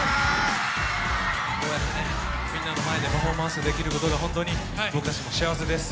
こうやってねみんなの前でパフォーマンスをできることが本当に僕たちも幸せです。